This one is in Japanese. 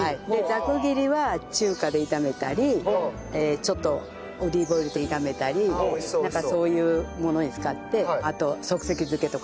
ざく切りは中華で炒めたりちょっとオリーブオイルで炒めたりなんかそういうものに使ってあと即席漬けとか。